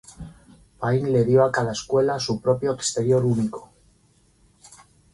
Payne le dio a cada escuela su propio exterior único.